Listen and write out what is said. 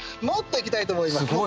もっといきたいと思います。